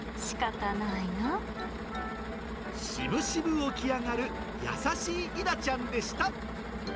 しぶしぶ起き上がる、優しいイダちゃんでした。